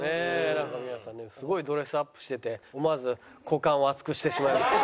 なんか皆さんねすごいドレスアップしてて思わず股間を熱くしてしまいます。